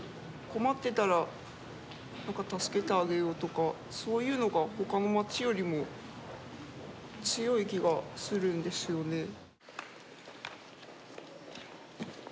困ってたら助けてあげようとかそういうのがほかの街よりも強い気がするんですよね。